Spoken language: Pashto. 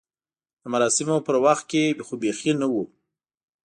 د مراسمو پر وخت کې خو بیخي نه و.